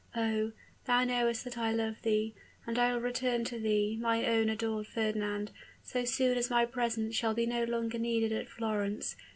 Oh, thou knowest that I love thee, and I will return to thee, my own adored Fernand, so soon as my presence shall be no longer needed at Florence.